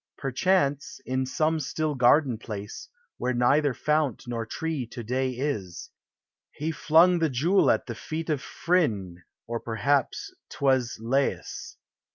Perchance, in some still garden place, Where neither fount nor tree to day is, He flung the jewel at tin t Of Phryne, or perhaps 't was Lais.